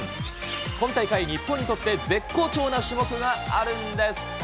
今大会、日本にとって絶好調な種目があるんです。